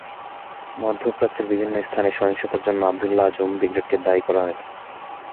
মধ্যপ্রাচ্যের বিভিন্ন স্থানে সহিংসতার জন্য আবদুল্লাহ আজম ব্রিগেডকে দায়ী করা হয়ে থাকে।